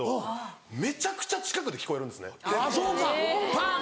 パン！